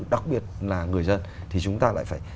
đặc biệt là người dân thì chúng ta lại phải